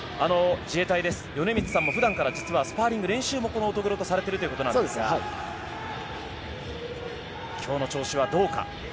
自衛隊で米満さんも実は普段からスパーリングをこの乙黒とされているということですが今日の調子はどうか。